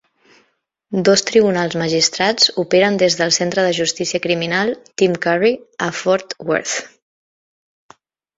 Dos tribunals magistrats operen des del Centre de justícia criminal Tim Curry a Fort Worth.